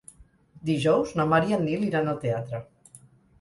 Dijous na Mar i en Nil iran al teatre.